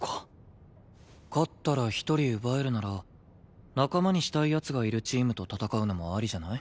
勝ったら１人奪えるなら仲間にしたい奴がいるチームと戦うのもありじゃない？